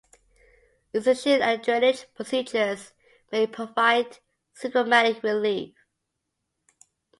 Incision and drainage procedures may provide symptomatic relief.